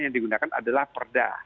yang digunakan adalah perda